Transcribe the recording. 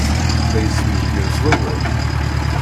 La ismejgir s wawal.